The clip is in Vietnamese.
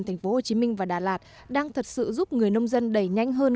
thành phố hồ chí minh và đà lạt đang thật sự giúp người nông dân đẩy nhanh hơn